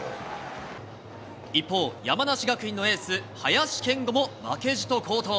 一方、山梨学院のエース、林謙吾も負けじと好投。